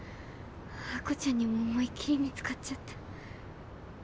亜子ちゃんにも思いっきり見つかっちゃった。